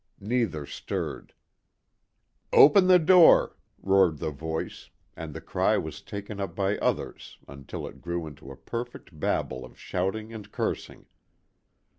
Neither stirred. "Open the door!" roared the voice, and the cry was taken up by others until it grew into a perfect babel of shouting and cursing.